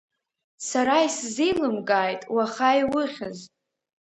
Сара исзеилымкааит уаха иухьыз?